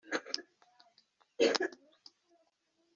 Matayo ni umuhungu ukunda imitungo kurusha ibindi bintu byose